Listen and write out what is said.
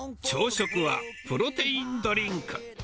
朝食はプロテインドリンク。